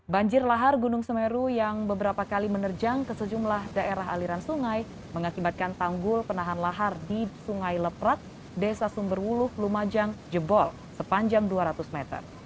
banjir lahar gunung semeru yang beberapa kali menerjang ke sejumlah daerah aliran sungai mengakibatkan tanggul penahan lahar di sungai leprak desa sumberwuluh lumajang jebol sepanjang dua ratus meter